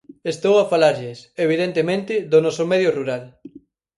Estou a falarlles, evidentemente, do noso medio rural.